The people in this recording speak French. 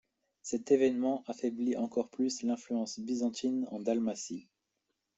Cet évènement affaiblit encore plus l'influence byzantine en Dalmatie.